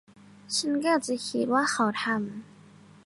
ฉันเกือบจะคิดว่าเขาทำ